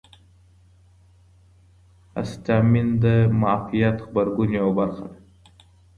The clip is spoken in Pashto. هسټامین د معافیت غبرګون یوه برخه ده.